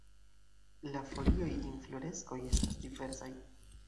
La folioj, infloreskoj estas diversaj.